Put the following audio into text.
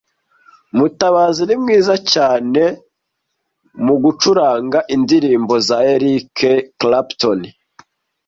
Mutabazi ni mwiza cyane mu gucuranga indirimbo za Eric Clapton.